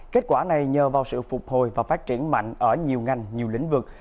kết quả này nhờ vào sự phục hồi và phát triển mạnh ở nhiều ngành nhiều lĩnh vực